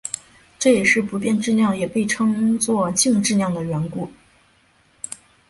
这也是不变质量也被称作静质量的缘故。